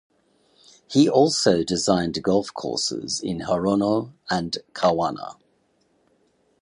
He also designed golf courses in Hirono and Kawana.